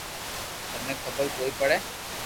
ٿني خبر ڪوئي پڙي